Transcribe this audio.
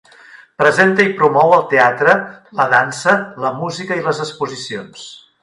Presenta i promou el teatre, la dansa, la música i les exposicions.